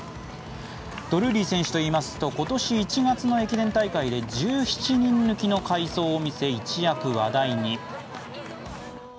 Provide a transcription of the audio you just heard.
ドルーリー選手といいますと今年１月の駅伝大会で１７人抜きの快走を見せ一躍話題に。